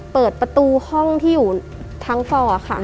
เปิดประตูห้องที่อยู่ทั้งฟอร์ค่ะ